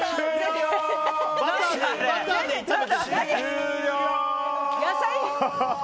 終了！